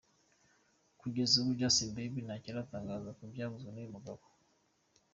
Kugeza ubu Justin Bieber ntacyo aratangaza ku byavuzwe n’uyu mugabo.